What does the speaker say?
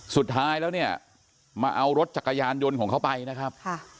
สุดท้ายแล้วเนี่ยมาเอารถจักรยานยนต์ของเขาไปนะครับ